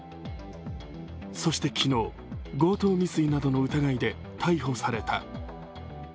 そして昨日、強盗未遂などの疑いで逮捕された。